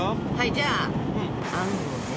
じゃああんをね